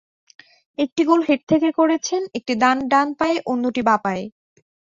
একটি goal head থেকে করেছেন, একটি ডান পায়ে, অন্যটি বাঁ পায়ে।